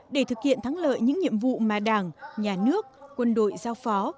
để thực hiện thắng lợi những nhiệm vụ mà đảng nhà nước quân đội giao phó